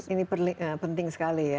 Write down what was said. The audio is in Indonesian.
ini penting sekali ya